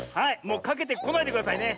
もうかけてこないでくださいね。